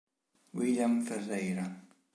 William Ferreira